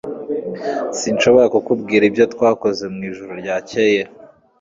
sinshobora kukubwira ibyo twakoze mwijoro ryakeye